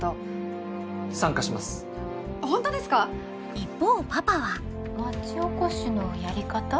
一方パパは町おこしのやり方？